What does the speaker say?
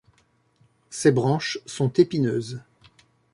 Ses branches sont épineuses.